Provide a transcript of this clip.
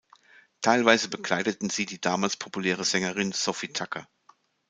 Teilweise begleiteten sie die damals populäre Sängerin Sophie Tucker.